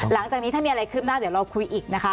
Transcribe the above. หลังจากนี้ถ้ามีอะไรคืบหน้าเดี๋ยวเราคุยอีกนะคะ